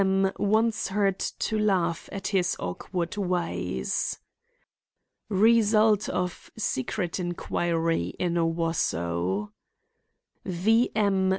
M. once heard to laugh at his awkward ways. Result of secret inquiry in Owosso. V. M.